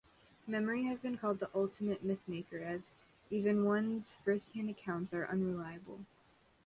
Memory has been called the ultimate 'mythmaker'... as even one's firsthand accounts are unreliable.